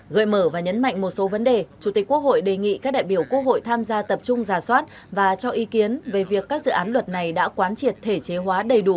gợi mở và nhấn mạnh một số vấn đề chủ tịch quốc hội đề nghị các đại biểu quốc hội tham gia tập trung giả soát và cho ý kiến về việc các dự án luật này đã quán triệt thể chế hóa đầy đủ